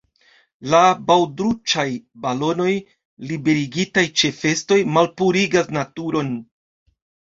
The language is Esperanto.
La baŭdruĉaj balonoj liberigitaj ĉe festoj malpurigas naturon.